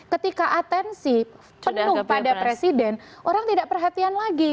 ketika atensi penuh pada presiden orang tidak perhatian lagi